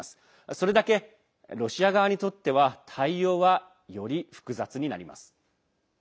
それだけロシア側にとっては対応は、より複雑になります。